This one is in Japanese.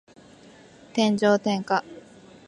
天上天下